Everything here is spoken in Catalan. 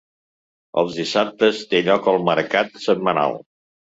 Els dissabtes té lloc el mercat setmanal.